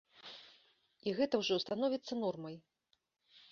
І гэта ўжо становіцца нормай.